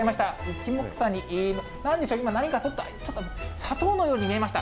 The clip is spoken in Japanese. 一目散に、なんでしょう、今、何かちょっと、砂糖のように見えました。